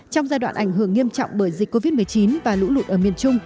trong giai đoạn ảnh hưởng nghiêm trọng bởi dịch covid một mươi chín và lũ lụt ở miền trung